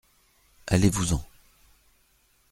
Allez-vous-en !